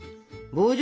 棒状？